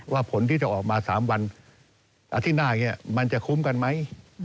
ว่าผลที่จะออกมา๓วันอาทิตย์หน้ามันจะคุ้มกันไหม